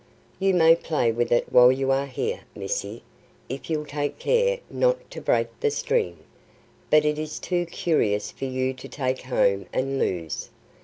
"You may play with it while you are here, Missie, if you'll take care not to break the string, but it is too curious for you to take home and lose.